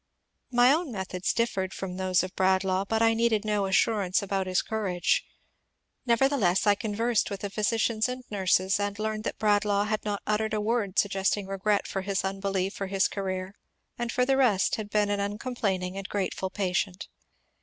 My own methods differed from those of Bradlaugh, but I needed no assurance about his courage. Nevertheless, I con versed with the physicians and nurses, and learned that Bradlaugh had not uttered a word suggesting regret for his unbelief or his career, and for the rest had been an uncom plaining and grateful patient.